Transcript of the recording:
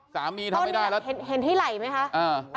สามีทำไม่ได้ต้นเห็นที่ไหล่ไหมคะ